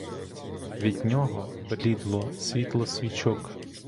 Від нього блідло світло свічок.